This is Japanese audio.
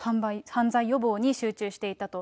犯罪予防に集中していたと。